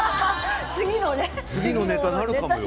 笑い声次のネタになるかもよ。